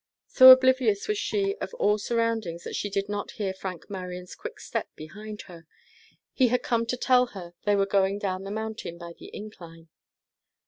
So oblivious was she of all surroundings that she did not hear Frank Marion's quick step behind her. He had come to tell her they were going down the mountain by the incline.